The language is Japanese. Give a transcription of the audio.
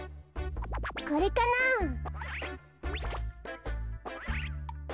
これかなあ？